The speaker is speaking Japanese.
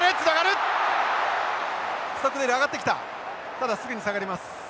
ただすぐに下がります。